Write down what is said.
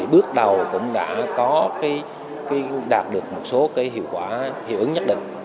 bước đầu cũng đã có đạt được một số hiệu quả hiệu ứng nhất định